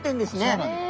そうなんです。